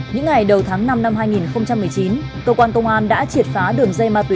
những ngày đầu tháng năm năm hai nghìn một mươi chín cơ quan công an đã triệt phá đường dây ma túy